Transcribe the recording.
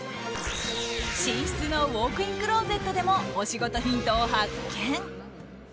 寝室のウォークインクローゼットでもお仕事ヒントを発見。